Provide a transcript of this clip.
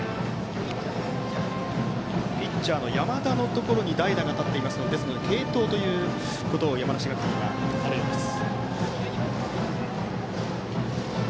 ピッチャーの山田のところに代打ということですので継投というところを山梨学院は考えています。